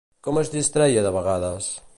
Com es distreia de vegades?